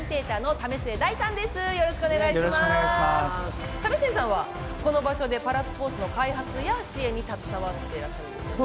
為末さんはこの場所でパラスポーツの開発や支援に携わってらっしゃるんですよね？